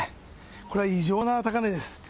これ、異常な高値です。